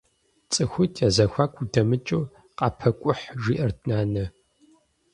Цӏыхуитӏ язэхуаку удэмыкӏыу, къапэкӏухь, жиӏэрт нанэ.